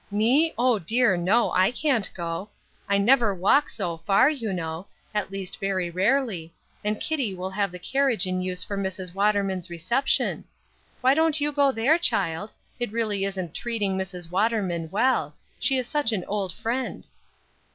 Me? Oh, dear, no! I can't go; I never walk so far you know; at least very rarely, and Kitty will have the carriage in use for Mrs. Waterman's reception. Why don't you go there, child? It really isn't treating Mrs. Waterman well; she is such an old friend."